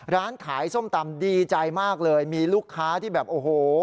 ร้านขายส้มตำดีใจมากเลยมีลูกค้าที่แบบโอ้โห